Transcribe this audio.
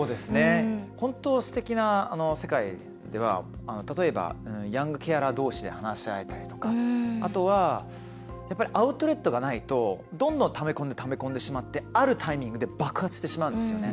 本当すてきな世界では例えば、ヤングケアラーどうしで話し合えたりとかあとは、アウトレットがないとどんどんためこんでしまってあるタイミングで爆発してしまうんですよね。